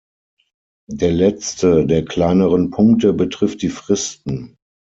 Der letzte der kleineren Punkte betrifft die Fristen.